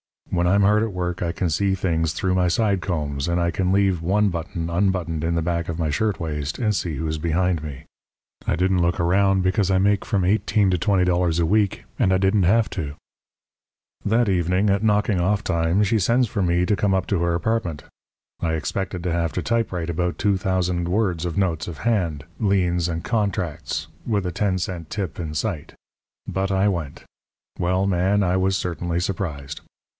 When I'm hard at work I can see things through my side combs; and I can leave one button unbuttoned in the back of my shirtwaist and see who's behind me. I didn't look around, because I make from eighteen to twenty dollars a week, and I didn't have to. "That evening at knocking off time she sends for me to come up to her apartment. I expected to have to typewrite about two thousand words of notes of hand, liens, and contracts, with a ten cent tip in sight; but I went. Well, Man, I was certainly surprised.